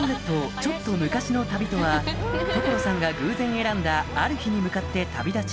ちょっと昔の旅とは所さんが偶然選んだある日に向かって旅立ち